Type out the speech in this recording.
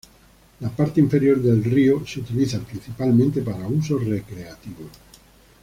La parte inferior del río se utiliza principalmente para usos recreativos.